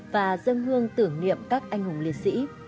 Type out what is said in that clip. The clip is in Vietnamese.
và dân hương tưởng niệm các anh hùng liệt sĩ